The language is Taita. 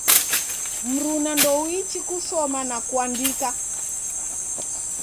Mruna ndouichi kushoma na kuandika